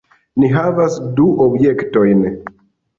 Ni havas du objektojn.